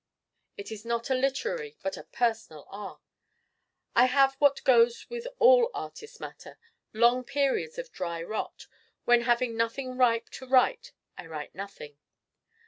It is not a literary but a personal art. I have what goes with all artist matter long periods of dry rot when having nothing ripe to write I write nothing.